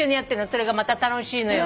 それがまた楽しいのよ。